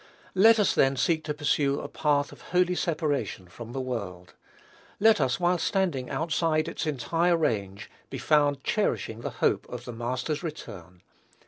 Let us, then, seek to pursue a path of holy separation from the world. Let us, while standing outside its entire range, be found cherishing the hope of the Master's return.